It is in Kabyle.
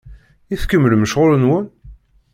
I tkemmlem ccɣel-nwen?